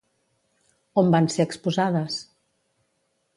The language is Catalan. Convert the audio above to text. On van ser exposades?